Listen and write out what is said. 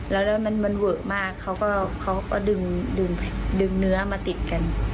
แล้วแล้วมันมันเวอะมากเขาก็เขาก็ดึงดึงดึงเนื้อมาติดกัน